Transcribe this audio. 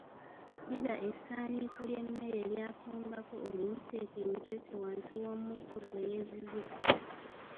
Ddira essaaniiko ly’emmere eryafumbako olimuteeke emitweetwe wansi w’omutto gwe yeezizika.